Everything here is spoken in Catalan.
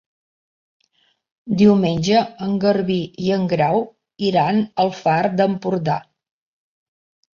Diumenge en Garbí i en Grau iran al Far d'Empordà.